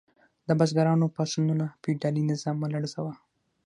د بزګرانو پاڅونونو فیوډالي نظام ولړزاوه.